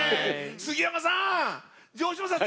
杉山さん！